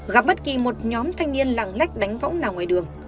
gặp bất kỳ một nhóm thanh niên lạng lách đánh võng nào ngoài đường